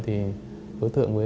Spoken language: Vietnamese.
thì đối tượng với